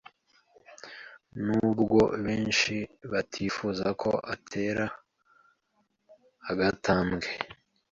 Nubwo benshi batifuzaga ko atera agatambwe